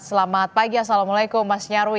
selamat pagi assalamualaikum mas nyarwi